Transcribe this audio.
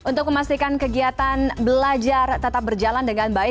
untuk memastikan kegiatan belajar tetap berjalan dengan baik